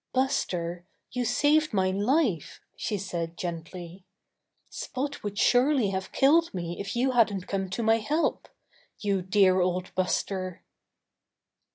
"Buster, you saved my life," she said gently, "Spot would surely have killed me if you hadn't come to my help. You dear old Buster!"